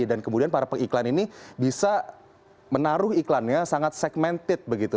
dan kemudian para pengiklan ini bisa menaruh iklannya sangat segmented begitu